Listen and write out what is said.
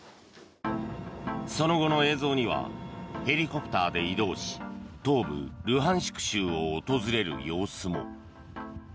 その後の映像にはヘリコプターで移動し東部ルハンシク州を訪れる様子も。